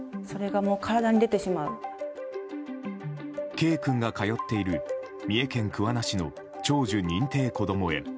Ｋ君が通っている三重県桑名市の長寿認定こども園。